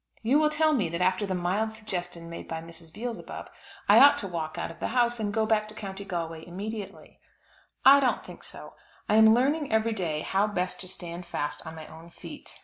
You will tell me that after the mild suggestion made by Mrs. Beelzebub, I ought to walk out of the house, and go back to County Galway immediately. I don't think so. I am learning every day how best to stand fast on my own feet.